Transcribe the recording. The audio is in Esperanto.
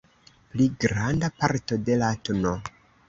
Pli granda parto de la tn.